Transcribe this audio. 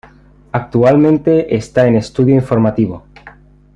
Actualmente está en estudio informativo.